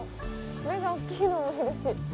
目が大っきいのもいるし。